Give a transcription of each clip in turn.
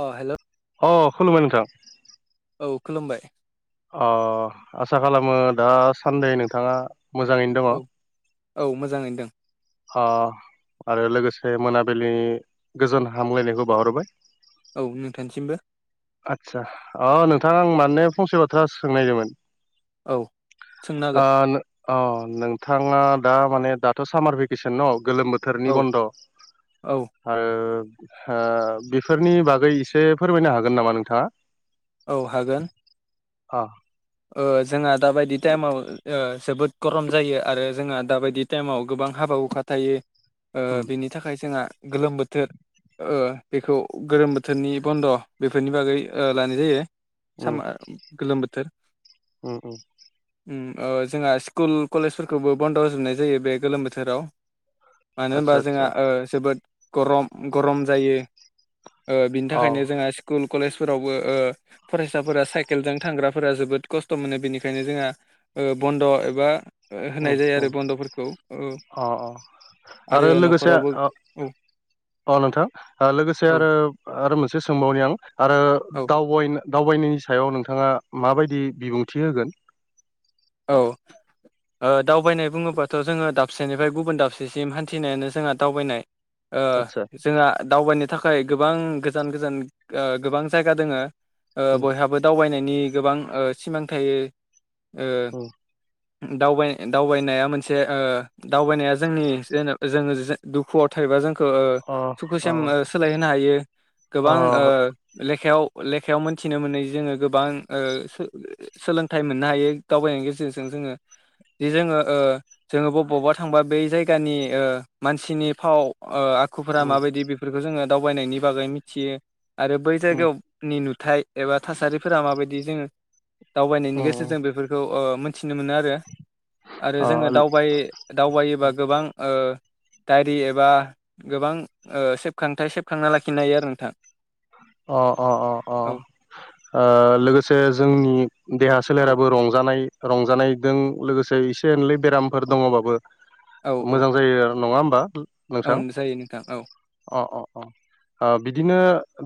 अ hello अ खुलुमबाय नोंथां औ खुलुमबाय अ आसा खालामो दा सान्दै नोंथाङा मोजाङैनो दङ औ औ मोजाङैनो दों हा आरो लोगोसे मोनाबिलिनि गोजोन हामग्लायनायखौ बाहरबाय औ नोंथांनिसिमबो आदसा अ नोंथां आं माने फंसे बाथ्रा सोंनायदोंमोन औ सोंनो ओ हागोन अ नोंथाङा दा माने दाथ' सामार भेकेसन ना गोलोम बोथोरनि औ बन्द' औ आरो बेफोरनि बागै एसे फोरमायनो हागोन नामा नोंथाङा औ हागोन अ जोंहा दाबायदि टाइमाव जोबोद गरम जायो आरो जोंहा दाबायदि टाइमाव गोबां हा हाबा- हुखा थायो उम बेनि थाखाय जोंहा गोलोम बोथोर बेखौ गोलोम बोथोरनि बन्द' बेफोरनि बागै लानाय जायो सा गोलोम बो औ - औ जोंहा स्कुल कलेजफोरखौबो बन्द' होजोबनाय जायो बे गोलोम बोथोराव मानो होनबा आदसा आदसा जोंहा जोबोद गरम - गरम जायो बिनि अ थाखायनो जोंहा स्कुल कलेजफोरावबो फरायसाफोरा साइकेलजों थांग्रा फोरा जोबोद खस्थ' मोनो बेनिखायनो जोंहा बन्द' एबा उम होनाय जायो उम आरो बन्द'फोरखौ अ अ आरो लोगोसे औ औ नोंथां लोगोसे औ आरो आरो मोनसे एसे सोंबावनि आं आरो औ दावबयनो दावबायनायनि सायाव नोंथाङा माबायदि बिबुंथि होगोन औ दावबायनाय बुङोबाथ' जोङो दाबसेनिफ्राय गुबुन दाबसेसिम हान्थिनायानो जोंहा दावबायनाय आतसा जोंहा दावबायनो थाखाय गोबां गोजान - गोजान गोबां जायगा दोङो उम बयहाबो दावबायनायनि गोबां सिमां थायो औ दाबाय दावबायनाया मोनसे दावबायनाया जोंनि जेन जोङो दुखुआव थायोबा जों अ अ सुखुसिम सोलायहोनो हायो अ गोबां लेखायाव लेखायाव मोनथिनो मोनै जोङो गोबां सोलोंथाइ मोननो हायो दावबायनाय गेरजों जोङो जि जोङो जोङो बबावबा थांबा बै जायगानि मानसिनि फाव आखुफोरा उम माबायदि बेफोरखौ जोङो दावबायनायनि बागै मिथियो आरो बै उम जायगायावनि नुथाइ एबा थासारिफोरा माबायदि जोङो दावबायनायनि उम उम गेजेरजों बेफोरखौ मिथिनो मोनो आरो आरो अ जोङो दावबाय दावबायोबा गोबां सावगारिरि एबा गोबां सेबखांथाय सेबखांना लाखिनो हायो आरो नोंथां अ औ - अ लोगोसे जोंनि देहा स औ सोलेराबो रंजानाय- रंजानायजों लोगोसे एसे एनलै बेरामफोर दङबाबो औ मोजां जायो नङा होमबा औ नोंथां जायो नोंथां औ अ- अ- अ बिदिनो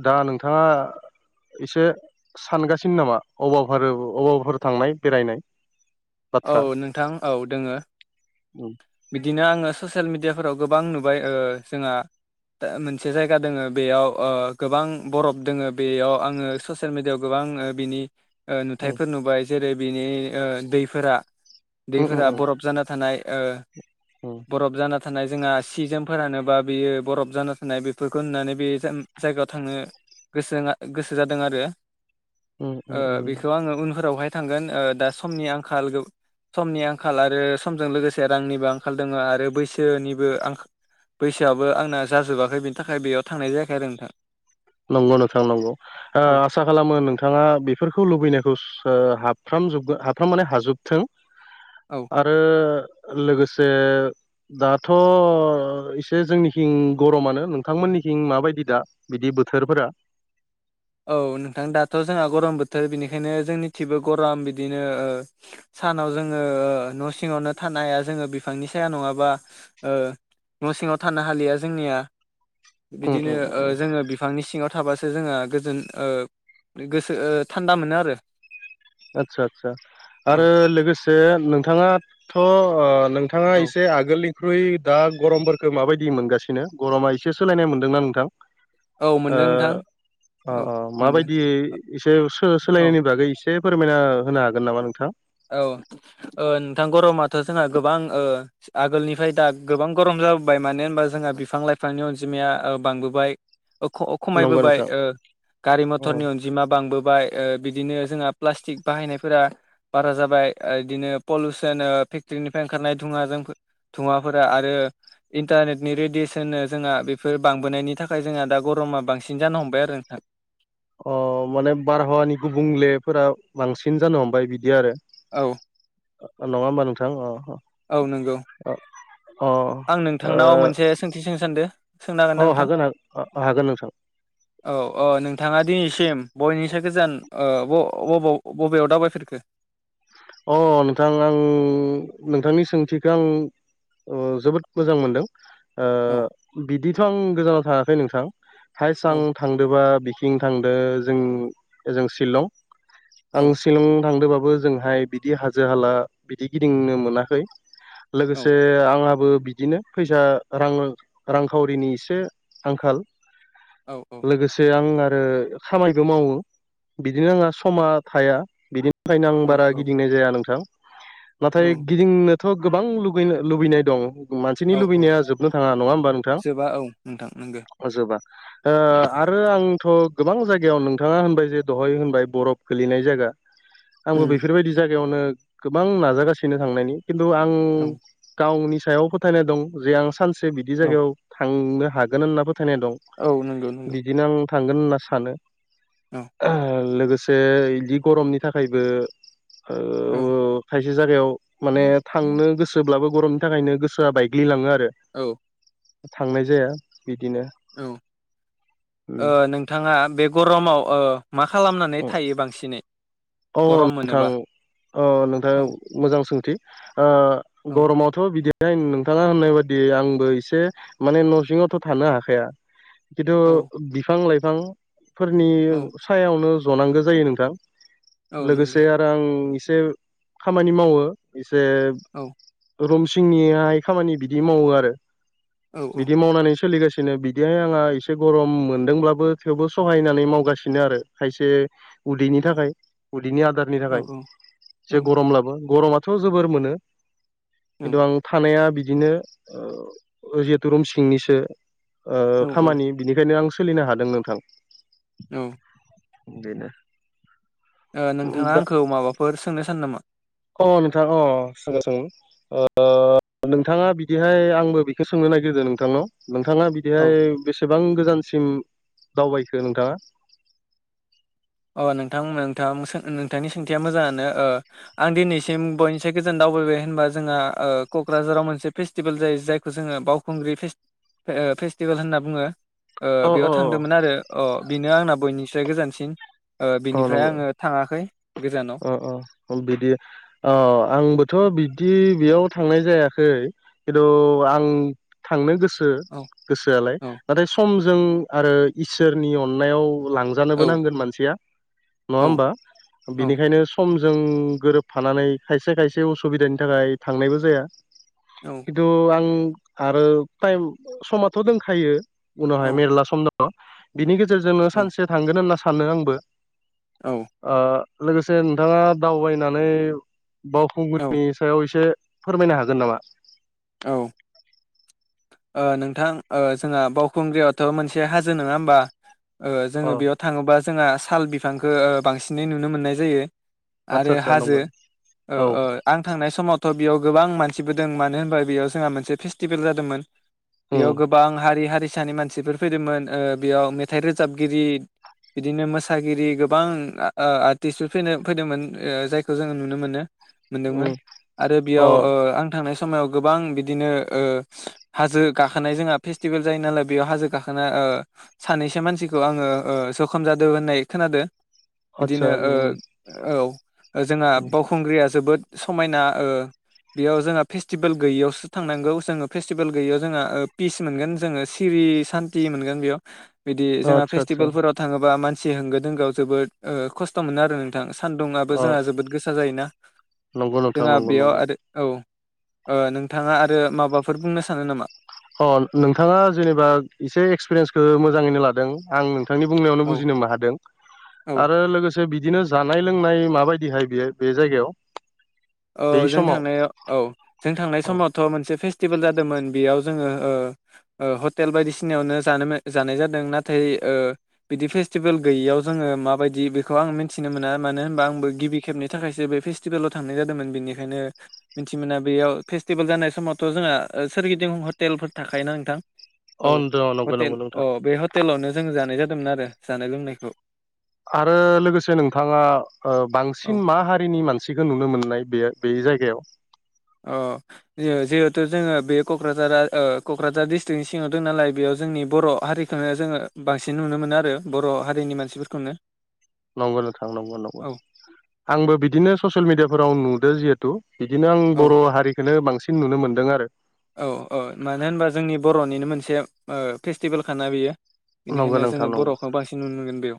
दा नोंथाङा एसे सानगासिनो नामा अबाफोर- अबावाफोर थांनाय बेरायनाय औ बाथ्रा नोंथां औ दोङो उम बिदिनो आङो ससियेल मिडियाफोराव गोबां नुबाय जोंहा मोनसे जायगा दोङो बेयाव गोबां बरफ दोङो बेयाव आङो ससियेल मिडियायाव गोबां गोबां बिनि उम नुथायफोर नुबाय जेरै बिनि दैफोरा उम उम दैफोरा उम बरफ जाना थानाय उम बरफ जाना थानाय जोंहा सि - जोम फोरानोबा बेयो बरफ जाना थानाय बेफोरखौ नुनानै बे जायगायाव थांनो गोसो- गोसो जादों आरो उम उम उम बेखौ आङो उनफोरावहाय थांगोन दा समनि आंखाल समनि आंखाल आरो समजों लोगोसे रांनिबो आंखाल दङ आरो बैसोनिबो आं बैसोआबो आंना जाजोबाखै बिनि थाखाय बेयाव थांनाय जायाखै आरो नोंथां। नंगौ नोंथां नंगौ औ आसा खालामो नोंथाङा बेफोरखौ लुबैनायखौ। हाबफ्रामजोबगोन हाबफ्राम माने हाजोबथों औ आरो। लोगोसे दाथ' एसे जोंनिखिं गरमानो नोंथांमोननि। खिं माबायदि दा बिदि बोथोरफोरा। औ नोंथां दाथ' जोंहा गरम बोथोर बिनिखायनो जोंनि थिबो गराम बिदिनो ओ। सानाव जोङो ओ न' सिङावनो थानो हाया जोङो बिफांनि साया नङाबा ओ। न' सिङाव थानो हालिया जोंनिया। उम बिदिनो उम ओ उम जोङो बिफांनि सिङाव थाबासो जोङो। गोजोन ओ गोसो ओ थान्दा मोनो आरो। आच्छा आच्छा औ आरो लोगोसे नोंथाङाथ' ओ। नोंथाङा औ एसे आगोलनि। ख्रुइ दा गरमफोरखौ माबायदि मोनगासिनो गरमा एसे सोलायनाय मोनदोंना नोंथां? औ मोनदों नोंथां ओ अ औ अ मोनदों माबायदि एसे औ सो-सोलायनायनि बागै। से फोरमायना होनो हागोन नामा नोंथाङा? औ ओ नोंथां गरमाथ' जोंहा गोबां ओ आगोलनिफ्राय दा गोबां गरम। जाबोबाय मानो होनबा जोंहा बिफां लाइफांनि अनजिमाया ओ बांबोबाय। नंगौ ख-खमायबोबाय नोंथां ओ गारि अ मथरनि अनजिमा बांबो। बाय बिदिनो जोंहा प्लाटिक बाहायनायफोरा। बारा जाबाय आ बिदिनो पलिउसन फेक्ट्रिनिफ्राय ओंखारनाय धुङाजों धुङाफोरा आरो। इन्टारनेटनि रेडियेसननो जोंहा बेफोर बांबोनायनि थाखाय जोंहा दा गरमा बांसिन जानो हमबाय आरो नोंथां। [inaudible] अ माने बारहावानि गुबुंलेफोरा बांसिन जानो हमबाय बिदि आरो। औ। नङा होमबा नोंथां अ। औ नंगौ। अ अ आं नोंथांनाव मोनसे सोंथि सों सानदो सोंनो हागोन ओ ना अ नोंथां? हागोन नोंथां औ औ नों। थाङा दिनैसिम बयनिसो गोजान ओ ब-बबाव बबेयाव दावबायफेरखो? अ नोंथां आं नोंथांनि सोंथिखौ आं। ओ जोबोद मोजां मोनदों औ बिदिथ' आं गोजानाव थाङाखै नोंथां हाइस् औ आं थांदोंबा। किं थांदो जों जों ओजों शिलं आं औ शिलं थांदोंबाबो जोंहाय। बिदि हाजो हाला बिदि गिदिंनो मोनाखै औ लोगोसे आंहा। बो बिदिनो फैसा रांरां रांखावरिनि एसे आंखाल। औ औ लोगोसे आं। ओ खामायबो मावो बिदिनो आंहा समा थाया बिदिनि थाखायनो आं बारा। औ गिदिंनाय जाया नोंथां नाथाय गिदिंनोथ' गोबां लुबैनो लुबैनाय दं। मानसिनि औ औ लुबैनाया जोबनो थाङा नङा होमबा नोंथां। जोबा औ नोंथां नंगो जोबा ओ आरो आं। थ' गोबां जायगायाव नोंथाङा होनबाय जे दहाय होनबाय बरफ गोलैनाय जायगा। ओ। बिदि जायगायावनो गोबां नागासिनो थांनायनि खिन्थु आं औ गावनि। सायाव फोथायनाय दं जे आं सानसे बिदि औ जागायाव थांनो हागोन होनना फो। थायनाय दं औ नंगौ नंगौ बिदिनो आं थांगोन होनना सानो औ लोगो। से बिदि गरमनि थाखायबो। ओ औ खायसे जायगायाव माने थांनो गोसोब्लाबो। गरमनि थाखायनो गोसोआ बायग्लिलाङो आरो। औ। थांनाय जाया। बिदिनो औ ओ उम नोंथाङा बे गरमाव ओ मा खालामनानै थायो बांसिनै? अ गरम नोंथां मोनोबा? अ नोंथाङ औ मोजां सोंथि ओ औ गरमावथ' बिदिहाय नोंथाङा होननाय बादि आंबो एसे माने न'सिङावथ' थानो हाखाया। खिनथु औ बिफां -लाइफां फोरनि औ सायावनो जनांगौ जायो नोंथां। औ लोगोसे नंगौ आरो आं एसे खामानि मावो एसे औ रुमसिंनि हाय खामानि बिदि मावो आरो औ औ बिदि मावनानै सोलिगासिनो बिदिहाय आंहा एसे गरम मोनदोंब्लाबो थेवबो सहायनानै मावगासिनो आरो। खायसे उदैनि औ थाखाय उदैनि आदारनि औ थाखाय से औ गरम लाबो गरमाथ' जोबोर मोनो खिन्थु आं थानाया बि बिदिनो ओ जिहेतु रुम सिंनिसो ओ औ औ खामानि बिनिखायनो आं सोलिनो हादों नोंथां। औ। बेनो ओ नोंथाङा आंखौ माबाफोर सोंनो सानो नामा? अ नोंथाङा अ [unintelligible] ओ नोंथाङा बिदिहाय आंबो बेखौ सोङो नाय गोदो नोंथांनाव नोंथाङा औ बिदिहाय बेसे बेसेबां गोजानसिम दावबायखो नोंथाङा? अ नोंथां नोंथां नोंथांनि सोंथिया मोजाङानो ओ आं दिनैसिम बयनिसाय गोजोन दाव दावायबाय होनबा जोंहा ओ क'क्राझाराव मोनसे फेस्टिभेल जायो जायखौ जोङो बावखुंग्रि फेस ओ फेस्टिभेल होनना बुङो। ओ अ बेयाव अ थांदोंमोन आरो अ बेनो आंना बयनिफ्राय गोजानसिन। ओ अ बिनिफ्राय नंगौ आङो थाङाखै। गोजानाव अ अ बिदि औ आंबोथ' बिदि बेयाव थांनाय जायाखै खिथु आं थांनो गोस गो औ गोसोआलाय औ नाथाय समजों आरो। इसोरनि अननायाव लांजानो बो औ नांगोन मासिआ नङा औ होमबा औ बेनिखायनो स' सम जों गोरोबफानानै खायसे खायसे उसुबिदानि थाखाय थांनायबो जाया। औ खिथु आं आरो टाइम समाथ' दोंखायो उनावहाय औ मेरला सम दङ बिनि गेजेरजों नो सानसे थांगोन होनना सानो आंबो। औ ओ लोगोसे नोंथाङा दावबायनानै औ बावखुंग्रिनि सायाव एसे फोरमायनो हागोन नामा? औ। ओ नोंथां ओ जोंहा बावखुंग्रियावथ' मोनसे हाजो नङा होमबा? अ जोङो बेयाव थाङोबा जोंहा साल बिफांखौ बांसिनै नुनो मोननाय जायो आदसा आरो आदसा हाजो नंगोन औ औ आं थांनाय समावथ' बेयाव गोबां मानसिबो दों मानो होनबा बेयाव जोंहा मोनसे फेस्टिभेल जादोंमोन। बेयाव उम गोबां हारि हारिसानि मानसिफोर फैदोंमोन ओ बेयाव मेथाइ रोजाबगिरि बिदिनो मोसागिरि गोबां आर्टिस्टफोर फैनो फैदोंमोन जायखौ जोङो नुनो मोनो उम मोनदोंमोन आरो अ बेयाव ओ आं थांनाय समाव गोबां बिदिनो ओ हाजो गाखोनाय जोंहा फेस्टिभेल जायो नालाय बेयाव हाजो गाखोना ओ सानैसो मानसिखौ आङो ओ सखाम जादों होननाय खोनादों आदसा बिदिनो उम ओ औ जोंहा उम बावखुंग्रिया जोबोद समायना बेयाव जोंहा फेस्टिभेल गैयियावसो थांनांगौ जोङो फ फेस्टिभेल गैयैयाव जोंहा पिस मोनगोन जोङो सिरि सान्थि मोनगोन बेयाव बिदि जोंहा आदसा आदसा फेस्टिभेलफोराव थाङोबा मानसि होंगो दोंगोआव जोबोद खस्थ' मोनो आरो नोंथां सानदुंआबो अ जोंहा जोबोद गोसा जायोना नंगौ नोंथां जोंहा नंगौ बेयाव नंगौ आरो औ नोंथाङा आरो माबाफोर बुंनो सानो नामा नोंथाङा जेनेबा एसे एक्सपिरियेन्सखौ मोजाङैनो लादों आं थांनि बुंनायावनो औ बुजिनोबो हादों औ आरो लोगोसे बिदिनो जानाय लोंनाय माबायदिहाय बेयो बे जायगायाव औ बै जों समाव थांनायाव औ जों थांनाय समावथ' मोनसे फेस्टि फेस्टिभेल जादोंमोन बेयाव जोङो हटेल बायदिसिनायावनो जानो जानाय जादों नाथाय बिदि फेस्टिभेल गैयैयाव जोङो माबायदि बेखौ आं मिथिनो मोना मानो होनबा आंबो गिबि खेब नि थाखायसो बे फेस्टिभेलावांनाय जा दोंमोन बेनिखायनो मिथि मोना बेयाव फेस्टिभेल जानाय समावथ' जोंहा सोरगिदिं हटेलफोर था खायो‌ना नोंथां? औ अ नंगौ हटेल नंगौ औ नोंथां बे हटेलावनो जों जानाय जादोंमोन आरो जानाय लोंनायखौ आरो लोगोसे नोंथाङा औ बांसिन मा हारिनि मानसिखौ नुनो मोननाय? बे बे जायगायाव? अ जिहेथु जोङो बे क'क्राझारा क'क्राझार डिस्ट्रिकनि सिङाव दं नालाय बेयाव जोंनि बर' हारिखौनो जोङो बांसिन नुनो मोनो आरो बर' हारिनि मानसिफोरखौनो नंगौ नोंथां नंगौ नंगौ औ आंबो बिदिनो ससियेल मिडियाफोराव नुदो जिहेथु बिदिनो आं औ बर' हारिखौो बांसिन नुनो मोनदों आरो। औ औ मानो होनबा जोंनि बर'निनो मोनसे फेस्टिभेल खाना बियो नंगौ बेनिखायनो नोंथां जोङो नंगौ बर'खौ बांसिन नुनो मोनगोन बेयाव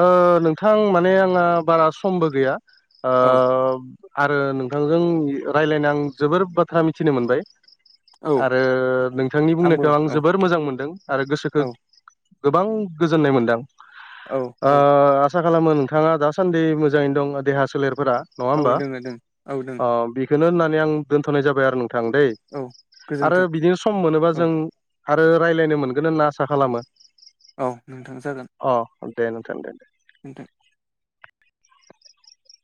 ओ नोंथां माने आंहा बारा समबो गैया ओ औ आरो नोंथांजों राय्लायनो आं जोबोर बाथ्रा मिथिनो मोनबाय। औ आरो नोंथांनि आंबो बुंनायखौ आं औ जोबोर मोजां मोनदों आरो औ गोसोखौ गोबां गोजोननाय मोनदां। औ औ आसा खालामो नोंथाङा दासान्दि मोजाङैनो दं देहा सोलेरफोरा नङा औ होमबा दोङो दों औ दों अ बि खौनो होननानै आं दोनथ'नाय जाबाय आरो नोंथां दै औ आरो गोजोन्थों बिदिनो सम मोनोबा औ जों आरो रायज्लायनो मोनगोन होनना आसा खालामो। औ नोंथां। जागोन अ दे नोंथां दे। नोंथां